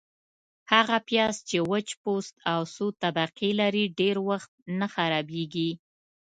- هغه پیاز چي وچ پوست او څو طبقې لري، ډېر وخت نه خرابیږي.